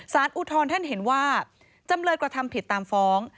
อุทธรณ์ท่านเห็นว่าจำเลยกระทำผิดตามฟ้อง